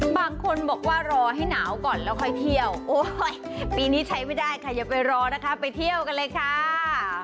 บางคนบอกว่ารอให้หนาวก่อนแล้วค่อยเที่ยวโอ้ยปีนี้ใช้ไม่ได้ค่ะอย่าไปรอนะคะไปเที่ยวกันเลยค่ะ